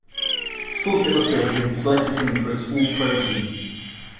"Sports Illustrated" selected him for its All-Pro Team.